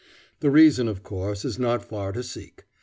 The reason, of course, is not far to seek.